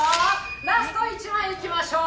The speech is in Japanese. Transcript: ラスト１枚いきましょう